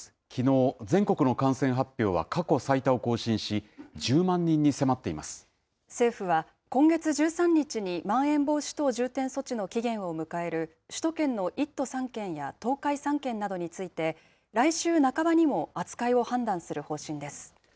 きのう、全国の感染発表は過去最多を更新し、１０万人に迫ってい政府は、今月１３日にまん延防止等重点措置の期限を迎える首都圏の１都３県や東海３県などについて、来週半ばにも扱いを判断する方針です。